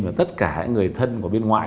và tất cả người thân của bên ngoại